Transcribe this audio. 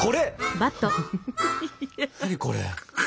何これ？